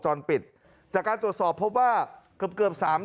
ทำไมคงคืนเขาว่าทำไมคงคืนเขาว่า